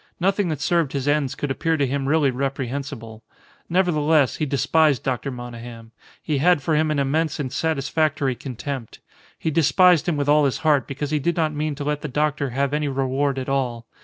Nothing that served his ends could appear to him really reprehensible. Nevertheless, he despised Dr. Monygham. He had for him an immense and satisfactory contempt. He despised him with all his heart because he did not mean to let the doctor have any reward at all.